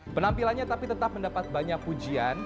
penampilannya tapi tetap mendapat banyak pujian